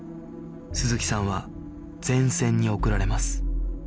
鈴木さんは前線に送られます